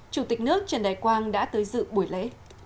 chủ tịch nước trần đại quang đã tới dự buổi lễ